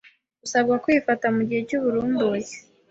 usabwa kwifata mu gihe cy’uburumbuke